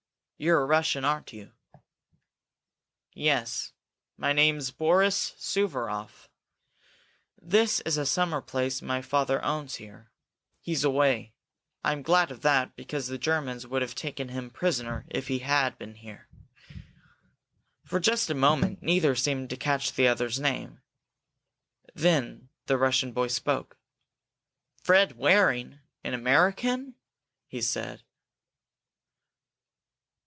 You're a Russian, aren't you?" "Yes. My name's Boris Suvaroff. This is a summer place my father owns here. He's away. I'm glad of that, because the Germans would have taken him prisoner if he'd been here." For just a moment neither seemed to catch the other's name. Then the Russian boy spoke. "Fred Waring an American?" he said.